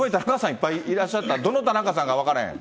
いっぱいいらっしゃったらどのたなかさんか分からへん。